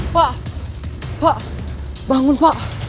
pak pak bangun pak